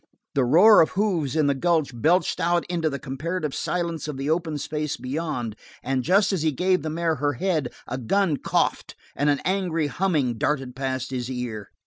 The roar of hoofs in the gulch belched out into the comparative silence of the open space beyond and just as he gave the mare her head a gun coughed and an angry humming darted past his ear.